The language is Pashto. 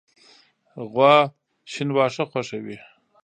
غوا شین واښه خوښوي.